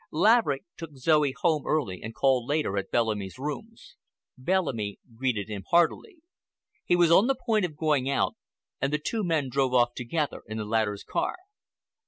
Laverick took Zoe home early and called later at Bellamy's rooms. Bellamy greeted him heartily. He was on the point of going out, and the two men drove off together in the latter's car.